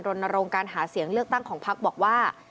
รณรงค์การหาเสียงเลือกตั้งของพักบอกว่า